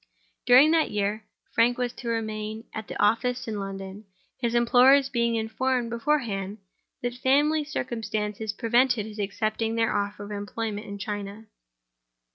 During that year, Frank was to remain at the office in London; his employers being informed beforehand that family circumstances prevented his accepting their offer of employment in China.